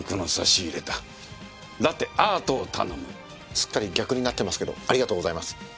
すっかり逆になってますけどありがとうございます。